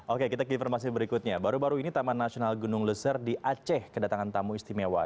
oke kita ke informasi berikutnya baru baru ini taman nasional gunung leser di aceh kedatangan tamu istimewa